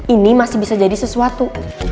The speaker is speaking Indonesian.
ini masih bisa jadi sesuatu